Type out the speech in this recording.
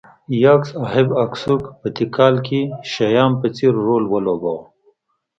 یاکس اهب اکسوک په تیکال کې شیام په څېر رول ولوباوه